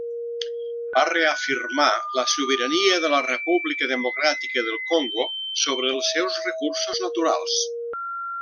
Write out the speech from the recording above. Va reafirmar la sobirania de la República Democràtica del Congo sobre els seus recursos naturals.